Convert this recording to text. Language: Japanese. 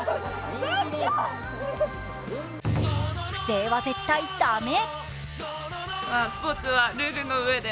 不正は絶対駄目！